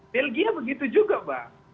belgia begitu juga bang